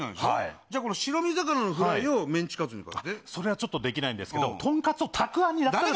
じゃあ、この白身魚をメンチカツそれはちょっとできないんですけど、トンカツをたくあんにだったら。